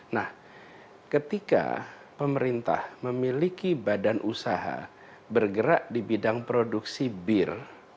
nah ketika pemerintah memiliki badan usaha bergerak di bidang produksi bir